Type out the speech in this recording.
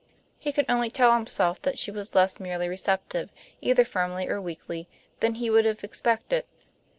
He could only tell himself that she was less merely receptive, either firmly or weakly, than he would have expected.